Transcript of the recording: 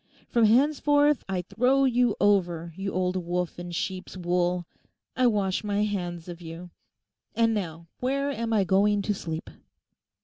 From henceforth I throw you over, you old wolf in sheep's wool. I wash my hands of you. And now where am I going to sleep?